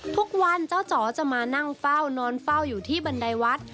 ทุกวันเจ้าจ๋อจะมานั่งเฝ้านอนเฝ้าอยู่ที่บันไดวัด